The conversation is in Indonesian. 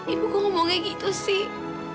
ibu kok ngomongnya gitu sih